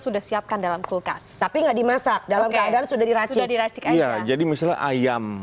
sudah siapkan dalam kulkas tapi nggak dimasak dalam keadaan sudah diracik diracik aja jadi misalnya ayam